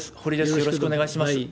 よろしくお願いします。